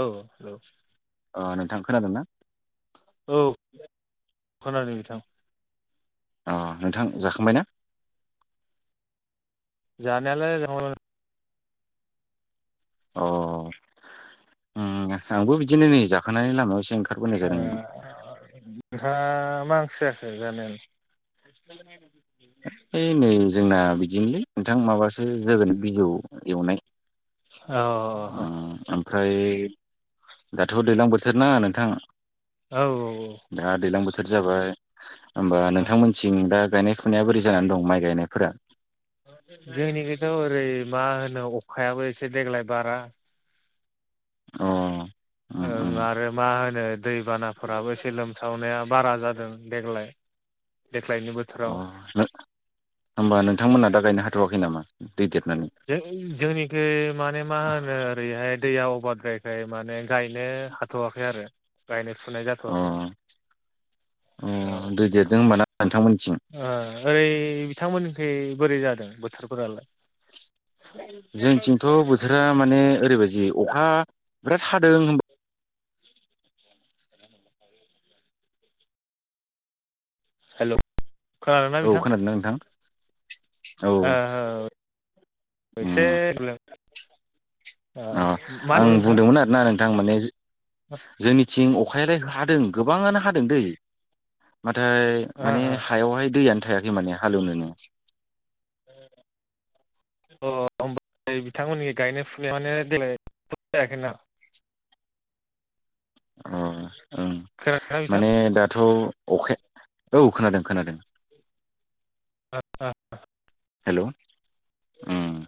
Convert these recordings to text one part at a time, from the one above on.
औ हेल' [inaudible] अ नोंथां खोनादों ना? औ खोनादों नोंथां अ नोंथां जाखांबाय ना? जानायालाय जा [unintelligible] अ ओम आंबो बिदिनो नै जाखांनि लामायावसो ओंखा अ नोंहा मख ओंख्रि जाखो जानायालाय? [unintelligible] नायना दोनथ' जायोमोन ओइ नै आरो जोंना बिदिनोलै नोंथां माबासो जोगोनार बिजौ एवनाय। अ औ ओम ओमफ्राय दाथ' दैज्लां बोथोर ना नोंथां औ औ औ थोर जाबाय होमबा नोंथांमोन थिं दा गायनाय फुनाया बोरै जानानै दं माइ गायनायफोरा? जोंनि खैथ ओरै मा होनो अखायाबो एसे देग्लाय बारा अ उम उम ओं आरो मा होनो दैबानाफोराबो एसे लोमसावनाया बारा जादों देग्लाय। देग्लायनि अ बोथोराव होमबा नोंथांमोना दा गायनो हाथ'वाखै नामा? दै देरनानै जों जोंनिखै माने मा होनो ओरैहाय दैया अभार द्रायखाय माने गायनो हाथ'वाखै आरो। गायनो अ अ औ दै देरदों होमबा ना? नोंथांमोननिथिं ओ ओरै बिथांमोन? ऐ बोरै जादों बोथोरफोरालाय जोंथिंथ' हेलौ बोथोरा माने ओरैबायदि अखा बिराद हादों [inaudible] हेल' औ खोनादोंना नोंथां औ ओ एसे उम लों [inaudible] अ आं बुंदोंमोन आरोना नों आं माने जोंनि थिं अखायालाय हादों गोबाङानो हादों दै नाथाय माने ओ हायावहाय दैयानो थाया माने हालेवनो नोङो अ ओमफ्राय बिथांमोननि गायनाय फुनाय माने देग्लाय [inaudible] ओ ओ खोनादोंना बिथां माने दा थ' अख औ खोनादों खोनादों [unintelligible] हेल' उम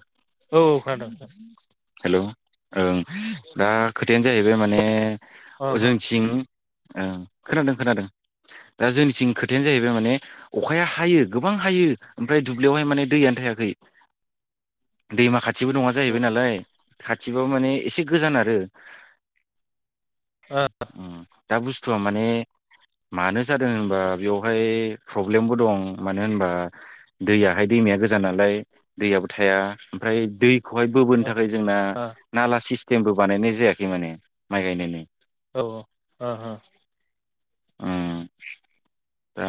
औ खोनादों हेल' ओं दा खोथायानो जाहैबाय माने अ जोंनिथिं ओं खोनादों खोनादों दा जोंनिथिं खोथायानो जाहैबाय माने अखाया हायो गोबां हायो ओमफ्राय दुब्लियावहाय माने दैयानो थायाखै दैमा खाथिबो नङा जाहैबाय नालाय। खाथिबाबो माने एसे गोजान आरो ओ स्थुआ माने मानो जादों होनबा बेवहाय प्रब्लेमबो दं मानो होनबा दैयाहाय दैमाया गोजान नालाय दैयाबो थाया ओमफ्राय दैखौहाय बो ओ थाखाय जोंना औ नाला सिस टिमबो बानायनाय जायाखै माने माइ गायनायनि। औ हा हा ओम दा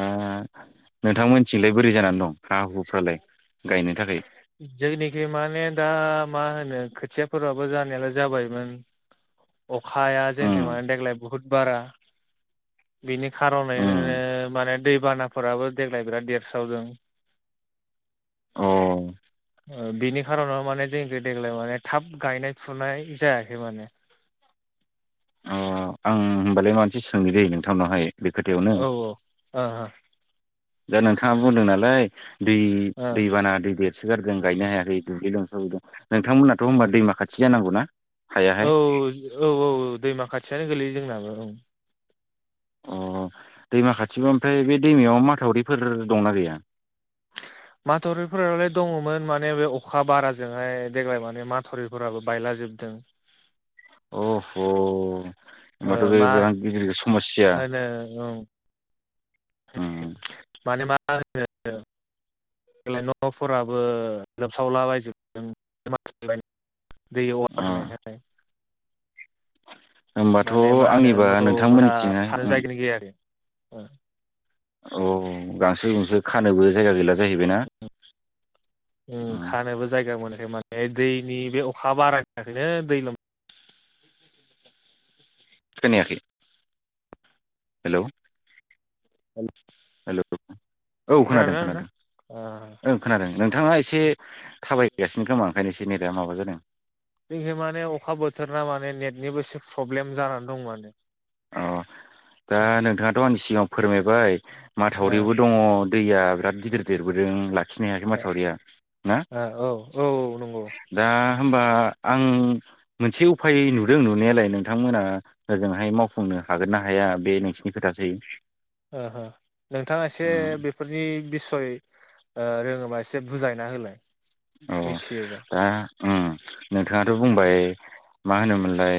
नोंथांमोनथिलाय बोरै जानानै दं हा हुफ्रालाय गायनो थाखाय जोंनिखै माने दा मा होनो खो खोथियाफोराबो जानायालाय जाबायमोन। अखाया उम जोंनिजों मानोे देग्लाय बुहुद बारा बेनि उम [unintelligible] दैबानाफोराबो देग्लाय बेराद देरस्रावदों। अ ओ बिनि खार'नाव माने जोंनिखै देग्लाय माने थाब गायनाय फुनाय जायाखै माने। अह, आं होमबालाय मानसे सोंनो दै नोंथांनावहाय। बे खोथायावनो औ औ अह अह। दा नोंथाङा बुंदों नालाय दै ओ दैबाना दै बे सो गारदों गायनो हायाखै दुब्लि लोमसावजोबदों। नोंथांमोननाथ' होनबा दैमा खाथि जानांगौना? हायाहाय औ औ औ औ दैमा खाथियानो गोलैयो जोंनाबो औ। अह, दैमा खाथिबा ओमफाय बे दैमायाव माथावरिफोर दंना गैया? माथावरिफोरालाय दङमोन माने बे अखा बाराजोंहाय देग्लाय माने माथरिफोराबो बायलाजोबदों। अह'! ओ होमबाथ' बे मा बिराद गिदिर समस्या। [inaudible] होनो ओं माने मा होनो देग्लाय न'फोराबो लोबसावलाबायजोबदों [unintelligible] दै अ अफार जानायखाय होमबाथ' माने मा होनो आंनिबा मोसौ मोसा नोंथांमोननिथिंहाय खानो उम जायगायानो गैया आरो। ओ। औ गांसो गुंसो खानोबो जायगा गैला जाहैबायना ओम उम खानोबो जायगा मोनाखैमोन। बे दैनि बे अखा बारानि थाखैनो दै लोम खोनायाखै? हेलौ? [inaudible] हेलौ [inaudible] औ खोनादों, खोनादोंना नोंथां? खोनादों ओ ओं खोनादों। नोंथाङा एसे थाबाय गासिनो खोमा ओंखायनो एसे नेदा माबा जादों। बेहाय माने अखा बोथोरना माने नेटनिबो एसे फ्रब्लेम जानानै दं माने। अह, दा ओ नोंथाङाथ' आंनि सिगाङाव फोरमायबाय। ओ माथावरिबो दङ', दैया बिराद गिदिर देरबोदों ला ओ ओ औ औ औ नंगौ। दा होमबा आं मोनसे उफाय नुदों नुनायालाय नोंथांमोना ओजोंहाय मावफै फुंनो हागोन ना हाया बे नोंसिनि खोथासै। ओहो नोंथाङा एसे बेफोरनि दिस यै रोङोबा एसे बुजायना होलाय। औ मिथियोबा। दा उम नोंथाङाथ बुंबाय मा होनोमोनलाय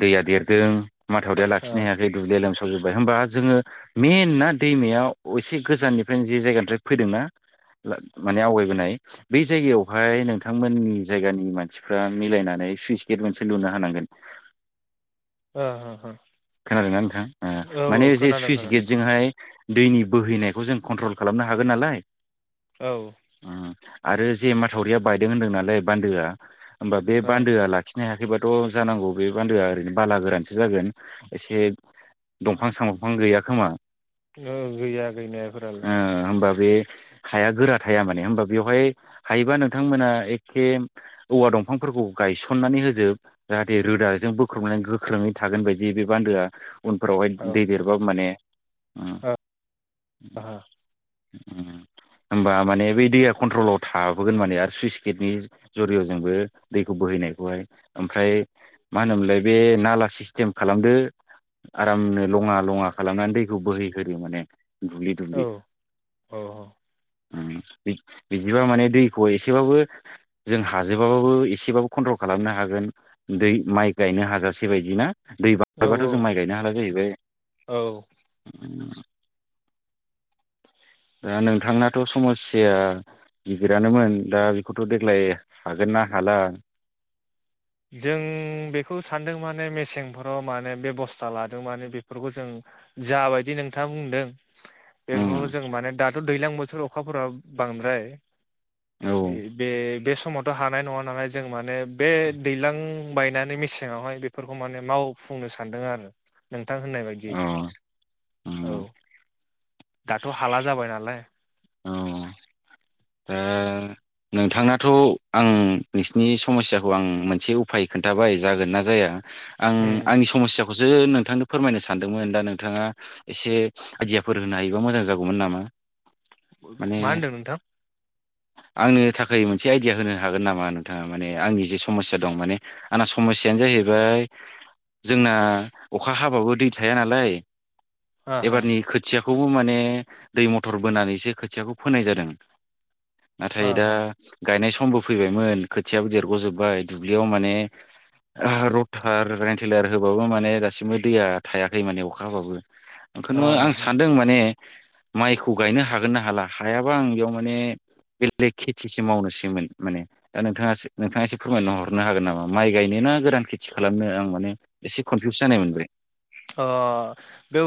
दैया देरदों माथावरिया ओ लाखिनो हायाखै दुब्लिया लोमसावदों थजोबबाय होमबा जोङो मे नान दैमायाव एसे गोजाननिफ्रायनो जि जायगानिफ्राय फैदोंना माने आवगायबोनाय बे जायगायावहाय नोंथांमोननि जायगानि मानसिफोरा मिलायनानै सुइस गेट मोनसे लुना होनांगोन। हो हो खोनादोंना नोंथां ओ औ माने औ एसे खोनादों सुइस खोनादों गेटजोंहाय दैनि बोहैनायखौ जों कन्ट्रल खालामनो हागोन नालाय औ उम आरो जे माथावरिया बायदों होनदों नालाय बान्दोआ होमबा बे बान्दोआ लाखिनो हायाखैबा अ जानांगौ बे बान्दोआ ओरैनो बाला गोरानसो जागोन। एसे दंफां सामफां गैया खोमा। ओहो गैया गैनाय ओ फोरालाय। होमबा बे हाया गोरा थाया माने होमबा बेवहाय हायोबा नोंथांमोना एखे औवा दंफांफोरखौ गायसननानै होजोब जाहाथे रोदाजों बोख्रबनानै गोख्रोङै थागोन बायदि ए बे बान्दोआ। उनफोरावहाय दै देरबा माने उम ओ ओ होमबा माने बै दैया कन्ट्रलाव थाबोगोन माने आरो सुइस गेटनि जुरियजोंबो दैखौ बोहैनायखौहाय ओमफ्राय मा होनोमोनलाय बे नाला सिसतेम खालामदो आरामनो लंआ लंआ खालामनानै दैखौ बोहैहोदो माने दुब्लि औ दुब्लि अ बिदिबा माने दैखौ एसेबाबो जों हाजोबाबाबो एसेबाबो कन्ट्रल खालामनो हागोन माइ गायनो हाजासे बायदि ना दै औ बाराबाथ जों माइ गायनो हाला जाहैबाय औ औ दा नोंथांनाथ समस्याआ गिदिरानोमोन दा बेखौथ देग्लाय हागोन ना हाला जों बेखौ सानदों माने मेसेंफोराव माने बेबस्था लादों माने बेफोरखौ जों जाबायदि नोंथाङा बुंदों बेफोरखौ उम जों माने दा दैज्लां बोथोर अखाफोरा बांद्राय औ बे बे समावथ' हानाय नङा नानाय जों माने बे [unintelligible] दैज्लां बायनानै मेसेआवहाय बेफोरखौ माने मावफुंनो सानदों आरो नोंथां होननाय बायदि औ औ उम दाथ' हाला जाबाय नालाय औ दा नोंथांनाथ' आं नोंसिनि समस्याखौ आं मोनसे उफाय खोन्थाबाय जागोन ना जाया आं उम आंनि समस्याखौ खौसो नोंथांनो फोरमायनो सानदोंमोन दा नोंथाङा एसे आइदियाफोर होनो हायोबा मोजां जागौमोन नामा माने मां होनदों नोंथां आंनो थाखाय मोनसे आइडिया होनो हागोन नामा नोंथाङा माने आंनि जे समस्या दं माने आंना समस्यायानो जाहैबाय जोंना अखा हाबाबो दै थाया नालाय ओ हो एबारनि खोथियाखौ खौ माने दै मथर बोनानैसो खोथियाखौ फोनाय जादों ओ नाथाय दा हो गायनाय समबो फैबायमोन खोथियाबो देरग'जोबबाय दुब्लियाव माने रथार भेन्टिलायार होबाबो माने गासिबो दैया थायाखै माने अखा हाबाबो बेखौनो ओ आं हो सानदों माने माइखौ गायनो हागोन ना हाला हायाबा आं बेयाव माने बेलेग खेथिसो मावनोसैमोन माने दा नोंथाङासो नोंथाङा एसे फोरमायना हरनो हागोन नामा माइ गायनो ना गोरान खेथि खालामनो आं माने एसे कनफिउस जानाय मोनदो अ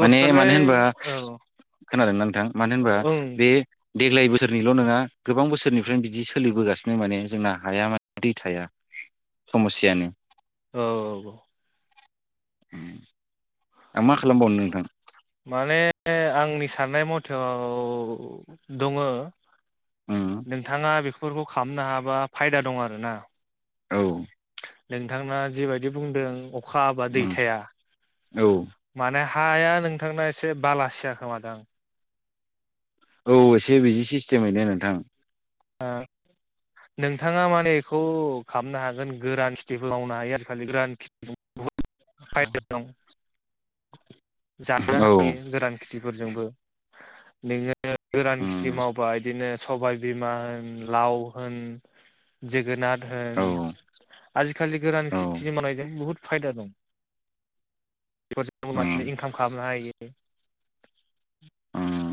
माने मानो होनबा औ खोनादोंना नोंथां मानो होनबा ओं बे देग्लाय बोसोरनिल' नङा गोबां बोसोरनिफ्रायनो बिदि सोलिबोगासिनो माने जोंना हाया माने दै थाया समस्यानो औ औ [inaudible] आं मा खालामबावनो नोंथां माने आंनि साननाय मथेआव दङ उम नोंथाङा बेखौ बेफोरखौ खालामनो हाबा फायदा दं आरो ना औ नोंथाङा जिबायदि बुंदों अखा हाबा उम दैथाया औ मानो हाया नोंथांना एसे बालासिया खोमादां औ एसे बिदि सिस्टेमैनो नोंथां नोंथाङा माने बेखौ खालामनो हागोन गोरान खिथिबो मावनो हायो आजिखालि गोरान खिथिजों बुहुद फायदा दं जानो औ हायो गोदान खिथिफोरजोंबो बे गो गोरान खेथि उम मावबा इदिनो [inaudible] मा होन लाव होन जोगोरनाथ औ आजिखालि गोरान औ खेथि मावनायजों बुहुत फायदा दं बेफोरजों उम माने इनकाम खालामनो हायो ओम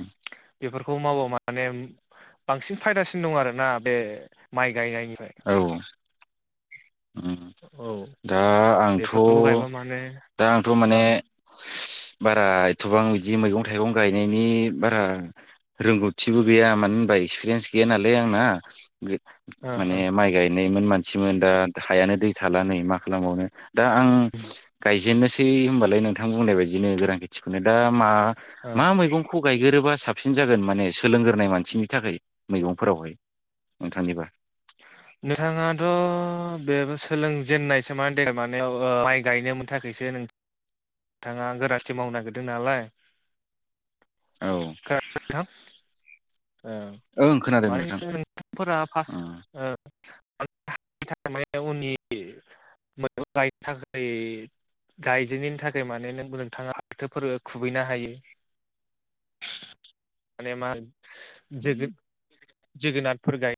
बेफोरखौ मावबा माने बांसिन फायदासिन दं आरोना बे माइक गायनाय निफ्राय औ दा आंथ' बेफोरखौ गायबा माने दा आंथ' ओ माने बारा एथ'बां बिदि मैगं थाइगं गायनायनि बारा रोंगौथिबो गैया मानो होनबा एक्सपिरियेन्स गैया नालाय आंना ओ माने ओ माइ गाय नैमोन मानसिमोन दा हायानो दै थानानै मा खालामबावनो दा आं गायजेननो स सै होनबालाय नोंथां बुंनाय बायदिनो गोरां खेथिखौनो दा मा ओ मा मैगं बेखौ गायगोरोबा साबसिन जागोन माने सोलोंग्रोनाय मानसिनि थाखाय मैगंफोरावहाय नोंथांनिबा नोंथाङाथ' बेबो सोलोंजेननायसो मा दे मानाव माइ गायनो थाखायसो नोंथ नोंथाङा गोरानखेथि मावनो नागिरदों नालाय औ खोनादों नोंथू ओं खोनादों माने नोंथां नोंथांफोरा उम फार्स्ट माने उनि मै गायनो थाखाय गायजेननायनि थाखाय [inaudible] माने नों नोंथाङा फाथोफोर खुबैनो हायो माने मा जोगो जोगोनारफोर गाय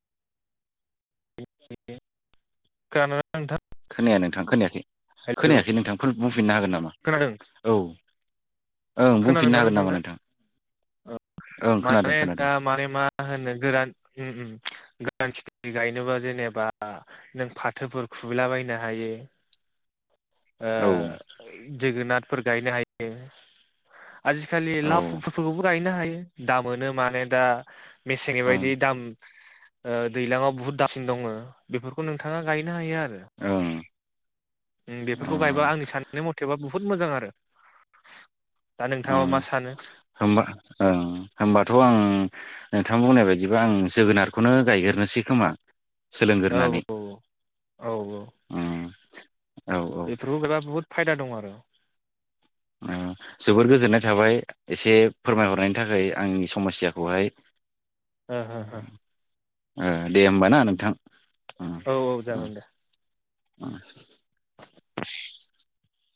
गान नोंथां खोनाया नोंथां खोनायाखै हेलौ खोनायाखै नोंथांफोर होनफिननो हागोन नामा? औ ओं खोनादों बुंफिननो ना हागोन नोंथां नामा दा? औ ओं खोनादों माने दा खोनादों माने मा होनो गोरान उम उम गोरान खेथि गायनोबा जेनेबा नों फाथोफोर खुबैलाबायनो हायो। ओ औ जोगोनाथ फोर गायनो हायो। आजिखालि ओं [inaudible] गायनो हायो दा मोनो माने दा मेसेंनि ओं बायदि दाम दैलाङाव बुहुद दाम दङ बेफोरखौ नोंथाङा गायनो हायो आरो। ओं। बेफोरखौ गायबा आंनि साननाय मथेबा बुहुत मोजां आरो। दा उम नोंथाङा मा सानो होमबा ओं होमबाथ' आं नों थां बुंनाय बायदिबा आं जोगोनारखौनो गायग्रोनोसै खोमा। औ सोलोंगोरनानै औ औ औ। उम। औ औ बेफोरखौ गायबा बुहुत फायदा दङ। औ। ओम जोबोर गोजोननाय थाबाय एसे फोरमायहरनायनि थाखाय आंनि समस्याखौहाय। ओ हो हो। ओ दे होमबा ना नोंथां। उम औ औ उम जागोन दे। उम